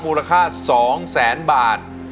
มูลค่า๒แสนบาท